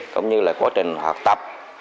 cũng như là quá trình học tập